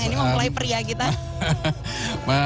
ini mempelai pria kita